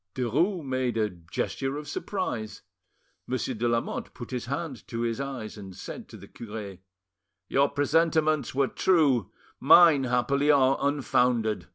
Derues made a gesture of surprise. Monsieur de Lamotte put his hand to his eyes, and said to the cure— "Your presentiments were true; mine, happily, are unfounded.